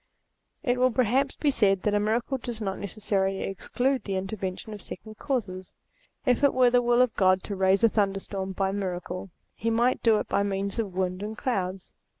It will perhaps be said that a miracle does not necessarily exclude the intervention of second causes. If it were the will of God to raise a thunderstorm by miracle, he might do it by means of winds and clouds.